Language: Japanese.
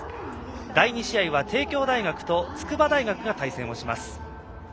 第２試合は帝京大学と筑波大学が対戦します。